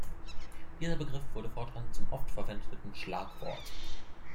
Dieser Begriff wurde fortan zum oft verwendeten Schlagwort.